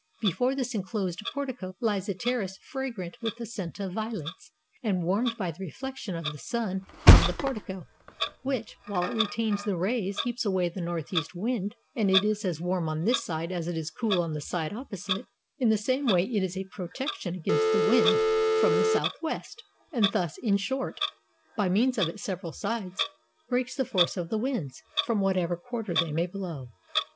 Before this inclosed portico lies a terrace fragrant with the scent of violets, and warmed by the reflection of the sun from the portico, which, while it retains the rays, keeps away the northeast wind; and it is as warm on this side as it is cool on the side opposite; in the same way it is a protection against the wind from 487 ROME the southwest; and thus, in short, by means of its sev eral sides, breaks the force of the winds, from whatever quarter they may blow.